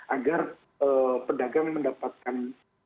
agar pedagang mendapatkan